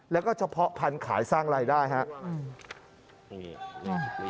แล้วก็เฉพาะพันธุ์ขายสร้างรายได้ครับ